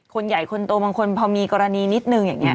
คนใหญ่คนโตบางคนพอมีกรณีนิดนึงอย่างนี้